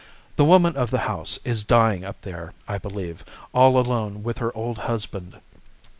The woman of the house is dying up there, I believe, all alone with her old husband.